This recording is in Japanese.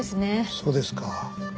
そうですか。